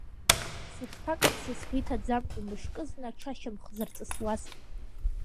Сышԥакаԥсеи сгәы иҭаӡамкәа, мышкызны аҽа шьамхы зырҵысуаз.